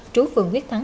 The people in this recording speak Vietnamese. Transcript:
trú phường quyết thắng